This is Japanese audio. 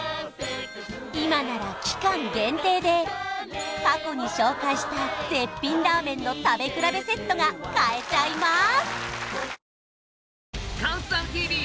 今なら期間限定で過去に紹介した絶品ラーメンの食べ比べセットが買えちゃいます